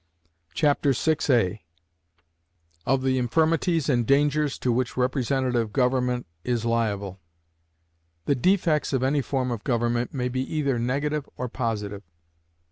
Chapter VI Of the Infirmities and Dangers to which Representative Government is Liable. The defects of any form of government may be either negative or positive.